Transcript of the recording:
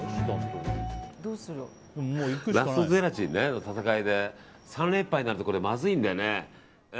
ラストゼラチンの戦いで３連敗になるとまずいんだよね。